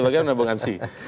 bagaimana pak gansi